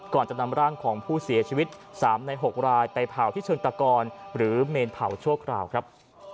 ก่อนจะนำร่างของผู้เสียชีวิต๓ใน๖รายไปเผาที่เชิงตะกรหรือเมนเผาชั่วคราวครับ